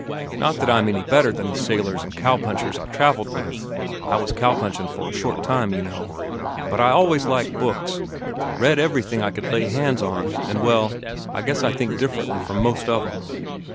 Not that I'm any better than the sailors an' cow punchers I travelled with,—I was cow punchin' for a short time, you know,—but I always liked books, read everything I could lay hands on, an'—well, I guess I think differently from most of 'em.